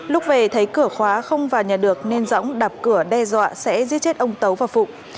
lúc về thấy cửa khóa không vào nhà được nên dõng đập cửa đe dọa sẽ giết chết ông tấu và phụng